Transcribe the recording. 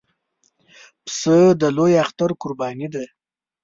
پسه د لوی اختر قرباني ده.